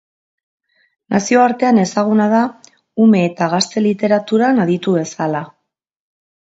Nazioartean ezaguna da ume eta gazte literaturan aditu bezala.